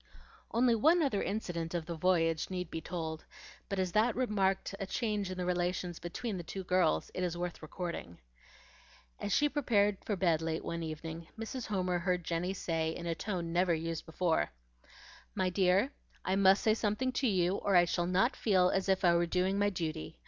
Only one other incident of the voyage need be told; but as that marked a change in the relations between the two girls it is worth recording. As she prepared for bed late one evening, Mrs. Homer heard Jenny say in a tone never used before, "My dear, I must say something to you or I shall not feel as if I were doing my duty.